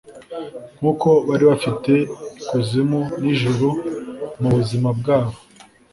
Nkuko bari bafite ikuzimu nijuru mubuzima bwabo